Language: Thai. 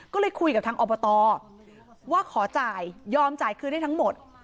ก็เลยคุยกับทางอบตว่าขอจ่ายยอมจ่ายคืนให้ทั้งหมด